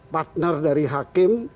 partner dari hakim